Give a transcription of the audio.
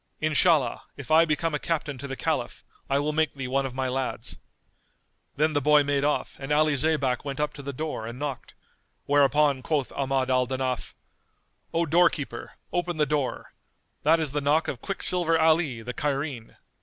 Inshallah, if I become a captain to the Caliph, I will make thee one of my lads." Then the boy made off and Ali Zaybak went up to the door and knocked; whereupon quoth Ahmad al Danaf, "O doorkeeper, open the door; that is the knock of Quicksilver Ali the Cairene."